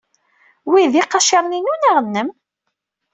Wi d iqaciren-inu neɣ nnem?